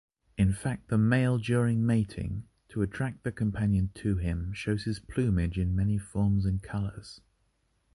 In fact the male during mating, to attract the companion to him, shows his plumage of many forms and colors.